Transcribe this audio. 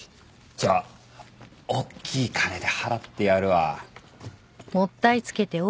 じゃあおっきい金で払ってやるわ。